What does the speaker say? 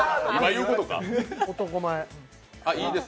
男前。